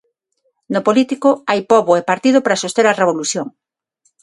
No político, hai pobo e Partido para soster a Revolución.